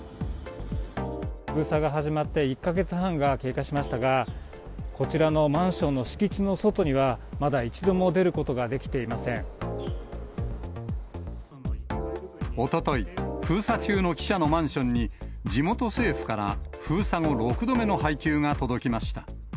封鎖が始まって１か月半が経過しましたが、こちらのマンションの敷地の外には、まだ一度も出おととい、封鎖中の記者のマンションに、地元政府から封鎖後６度目の配給が届きました。